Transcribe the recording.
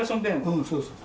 うんそうそう。